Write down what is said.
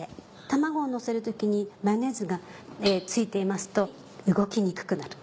卵をのせる時にマヨネーズが付いていますと動きにくくなる。